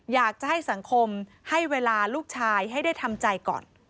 อยากจะให้สังคมให้เวลาลูกชายให้ได้ทำใจก่อน